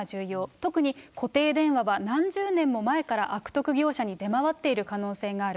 特に固定電話は、何十年も前から悪徳業者に出回っている可能性がある。